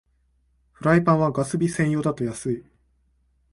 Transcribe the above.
フライパンはガス火専用だと安い